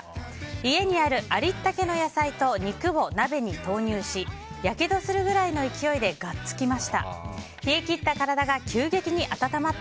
家にあるありったけの野菜と肉を鍋に投入しやけどするぐらいの勢いでがっつきました。